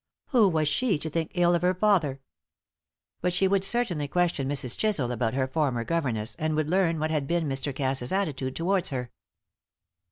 Who was she to think ill of her father? But she would certainly question Mrs. Chisel about her former governess, and would learn what had been Mr. Cass's attitude towards her.